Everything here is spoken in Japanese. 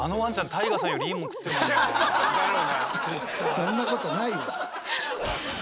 そんなことないわ。